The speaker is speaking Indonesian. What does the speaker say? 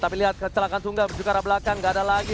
tapi lihat kecelakaan tunggal menuju ke arah belakang gak ada lagi